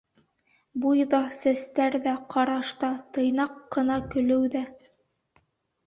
Буй ҙа, сәстәр ҙә, ҡараш та, тыйнаҡ ҡына көлөү ҙә!